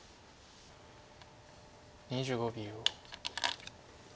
２５秒。